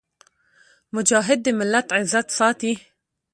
مجاهد د ملت عزت ساتي.